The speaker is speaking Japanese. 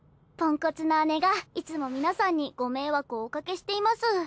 ポンコツな姉がいつも皆さんにご迷惑をおかけしています。